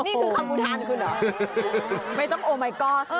เห็นไง